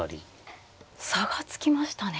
おっ差がつきましたね。